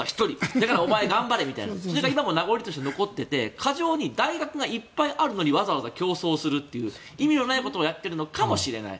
だからお前、頑張れみたいな今はそれは名残として残っていて過剰に大学がいっぱいあるのにわざわざ競争する意味のないことをやってるのかもしれない。